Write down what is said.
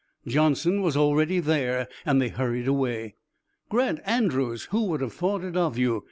Johnson was already there, and they hurried away. "Grant Andrews! Who would have thought it of you!"